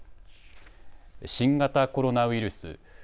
新型コロナウイルス。